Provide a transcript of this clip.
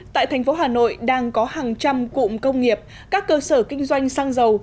tại thành phố hà nội đang có hàng trăm cụm công nghiệp các cơ sở kinh doanh xăng dầu